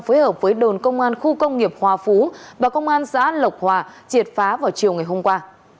phối hợp với đồn công an khu công nghiệp hòa phú và công an xã lộc hòa triệt phá vào chiều ngày hôm qua